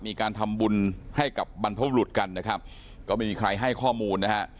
มีการทำบุญให้กับบรรพบุรุษกันนะครับก็ไม่มีใครให้ข้อมูลนะฮะ